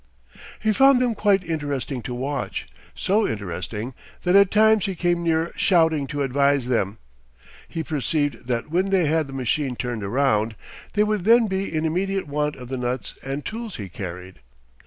He found them quite interesting to watch, so interesting that at times he came near shouting to advise them. He perceived that when they had the machine turned round, they would then be in immediate want of the nuts and tools he carried.